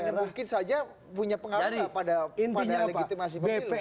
dan mungkin saja punya pengaruh pada legitimasi pepilih